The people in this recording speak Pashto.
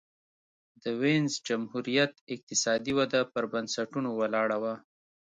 د وینز جمهوریت اقتصادي وده پر بنسټونو ولاړه وه.